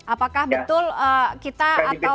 apakah betul kita atau